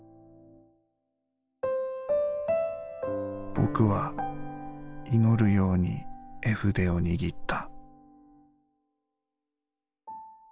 「僕は祈る様に絵筆を握った」。